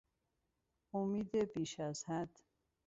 امید بیش از حد